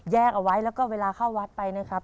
เอาไว้แล้วก็เวลาเข้าวัดไปนะครับ